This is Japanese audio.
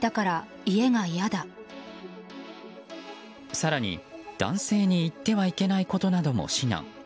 更に、男性に言ってはいけないことなども指南。